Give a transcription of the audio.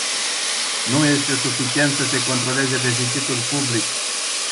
Nu este suficient să se controleze deficitul public.